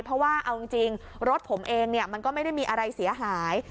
เพราะว่าเอาจริงรถผมเองมันก็ไม่ได้มีอะไรเสียหาย